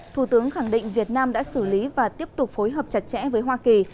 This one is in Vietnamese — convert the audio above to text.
thủ tướng khẳng định việt nam đã xử lý và tiếp tục phối hợp chặt chẽ với hoa kỳ